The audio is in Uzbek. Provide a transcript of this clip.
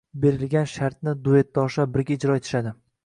Berilgan shartni duyetdoshlar birga ijro etishadi.